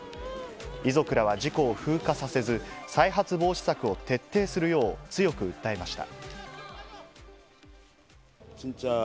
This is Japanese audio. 遺族らは事故を風化させず、再発防止策を徹底するよう強く訴えました。